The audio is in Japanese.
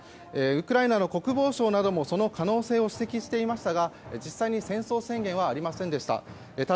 ウクライナの国防相などもその可能性を指摘していましたが実際に戦争宣言はありませんでした。